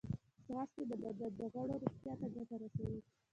ځغاسته د بدن د غړو روغتیا ته ګټه رسوي